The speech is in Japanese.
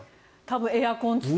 多分エアコン付き。